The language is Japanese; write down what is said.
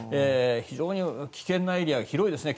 非常に危険なエリアが広いですね。